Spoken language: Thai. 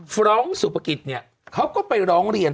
ร้องสุภกิจเนี่ยเขาก็ไปร้องเรียน